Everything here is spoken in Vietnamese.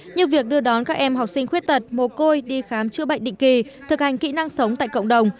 như việc đưa đón các em học sinh khuyết tật mồ côi đi khám chữa bệnh định kỳ thực hành kỹ năng sống tại cộng đồng